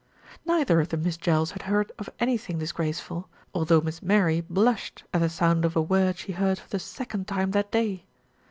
Neither of the Miss Jells had heard of anything dis graceful, although Miss Mary blushed at the sound^of a word she heard for the second time that day.